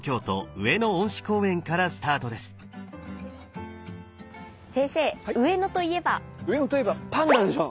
上野といえばパンダでしょ！